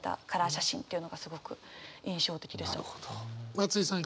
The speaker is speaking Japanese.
松居さん